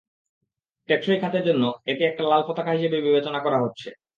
টেকসই খাতের জন্য একে একটা লাল পতাকা হিসেবে বিবেচনা করা হচ্ছে।